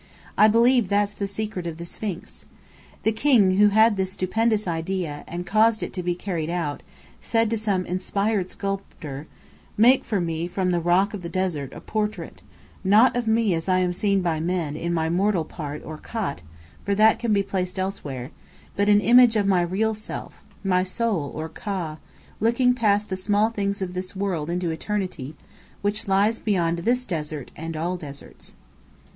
"I believe that's the secret of the Sphinx. The king who had this stupendous idea, and caused it to be carried out, said to some inspired sculptor, 'Make for me from the rock of the desert, a portrait, not of me as I am seen by men, in my mortal part or Khat, for that can be placed elsewhere; but an image of my real self, my soul or Ka, looking past the small things of this world into eternity, which lies beyond this desert and all deserts.'